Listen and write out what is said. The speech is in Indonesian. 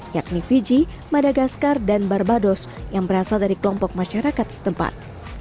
yakni fiji madagaskar dan barbados yang berasal dari kelompok masyarakat setempat